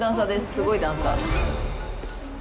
すごい段差。